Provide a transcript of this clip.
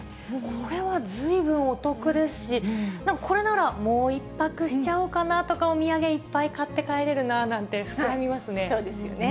これはずいぶんお得ですし、これならもう１泊しちゃおうかなとか、お土産いっぱい買って帰れるななんて膨らみますね。